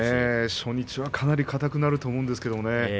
初日はかなり硬くなると思うんですけどね